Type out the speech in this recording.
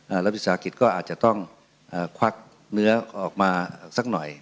รัฐวิสาหกิจก็อาจจะต้องเอ่อควักเนื้อออกมาสักหน่อย